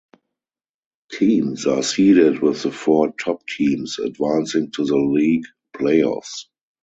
Teams are seeded with the four top teams advancing to the league playoffs.